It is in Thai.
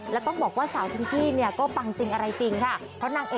และต้องบอกว่าสาวพิงกี้นี่ก็ปังใจรายจริงค่ะ